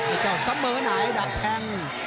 ไอ้เจ้าเสมอไหนดักแทง